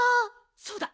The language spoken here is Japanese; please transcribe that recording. そうだ！